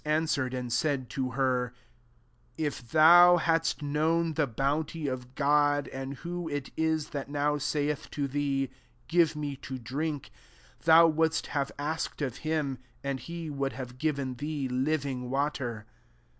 gwered, and said to her, ^< If thou hadst known the botinty of God, and who it is that now saith to thee, ' Give me to drink i* thou wouldst have ask ed of him, and he would have given thee living water.''